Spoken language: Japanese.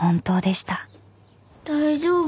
大丈夫？